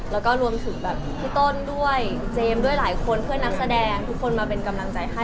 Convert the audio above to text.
แล้วก็รวมถึงแบบพี่ต้นด้วยเจมส์ด้วยหลายคนเพื่อนนักแสดงทุกคนมาเป็นกำลังใจให้